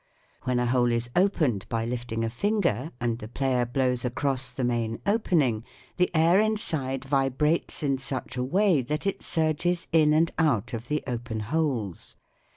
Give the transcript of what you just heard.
When a hole is opened by lifting a finger and the player blows across the main opening the air inside vibrates in such a way that it surges in and out of the open holes.